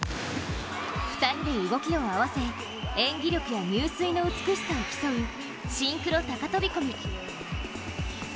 ２人で動きを合わせ、演技力や入水の美しさを競うシンクロ高飛込。